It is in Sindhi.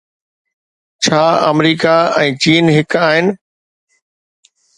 ڇا آمريڪا ۽ چين هڪ آهن؟